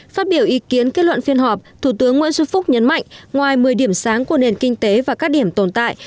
phát biểu ý kiến kết luận phiên họp thủ tướng nguyễn xuân phúc nhấn mạnh ngoài một mươi điểm sáng của nền kinh tế và các điểm tồn tại